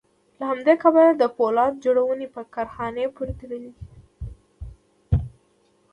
له همدې کبله د پولاد جوړونې په کارخانې پورې تړلې ده